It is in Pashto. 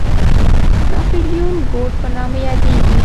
د ناپلیون کوډ په نامه یادېږي.